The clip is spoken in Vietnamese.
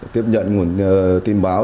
tiếp nhận nguồn tin báo